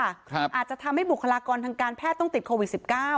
อาจจะทำให้บุคลากรทางการแพทย์ต้องติดโควิด๑๙